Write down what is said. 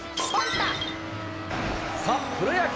さあ、プロ野球。